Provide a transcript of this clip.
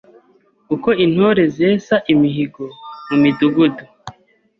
Uko Intore zesa imihigo mu midugudu